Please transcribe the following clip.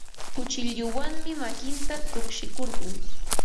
Kuchilluwanmi makinta tukshikurqun.